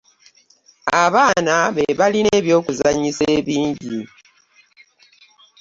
Abaana be balina ebyokuzanyisa bingi.